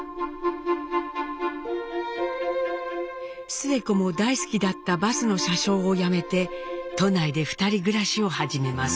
スエ子も大好きだったバスの車掌を辞めて都内で２人暮らしを始めます。